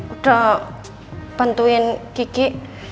udah bantuin kiki